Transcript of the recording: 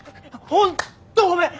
本当ごめん！